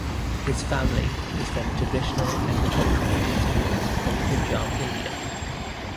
His family is from a traditional agricultural community of Punjab, India.